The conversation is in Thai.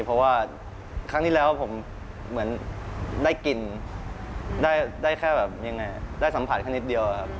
เพราะว่าครั้งนี้แล้วผมเหมือนได้กลิ่นได้สัมผัสแค่นิดเดียวครับ